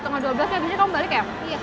udah dua belas tiga puluh habis kembali ke